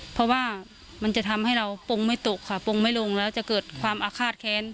เพราะว่ามันจะทำให้เราปงไม่ตกค่ะปงไม่ลงแล้วจะเกิดความอาฆาตแค้น